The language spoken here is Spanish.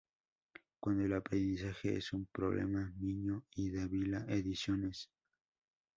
Cuando el aprendizaje es un problema, Miño y Dávila Ediciones, Bs.